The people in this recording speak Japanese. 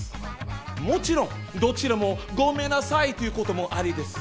もちろんどちらもごめんなさいという事も有りです。